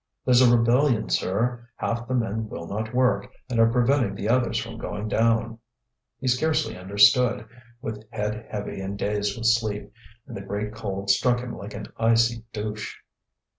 "There's a rebellion, sir; half the men will not work, and are preventing the others from going down." He scarcely understood, with head heavy and dazed with sleep, and the great cold struck him like an icy douche.